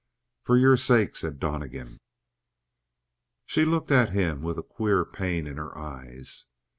"For your sake," said Donnegan. She looked at him with a queer pain in her eyes.